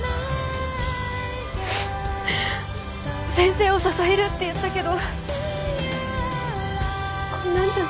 先生を支えるって言ったけどこんなんじゃ